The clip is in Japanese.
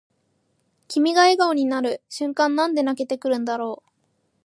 君が笑顔になる瞬間なんで泣けてくるんだろう